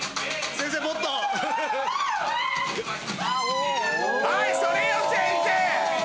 先生もっと！はいそれよ先生！